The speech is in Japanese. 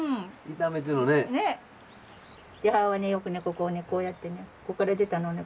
母はねよくねここをねこうやってねこっから出たのをね